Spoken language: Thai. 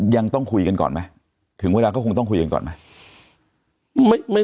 ยังต้องคุยกันก่อนไหมถึงเวลาก็คงต้องคุยกันก่อนไหม